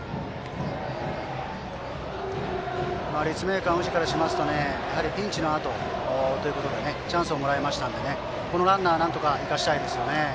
立命館宇治からしますとやはりピンチのあとということでチャンスをもらいましたのでこのランナーはなんとか生かしたいですよね。